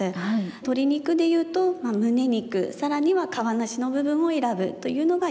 鶏肉でいうと胸肉更には皮なしの部分を選ぶというのがよいでしょう。